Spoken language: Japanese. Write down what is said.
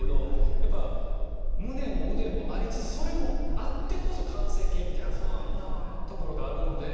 やっぱり胸も腕もありつつそれもあってこそ完成形みたいなところがあるので。